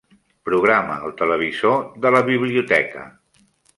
Programa el televisor de la biblioteca.